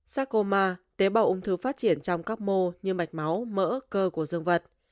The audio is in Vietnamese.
sakoma tế bào ung thư phát triển trong các mô như mạch máu mỡ cơ của dương vật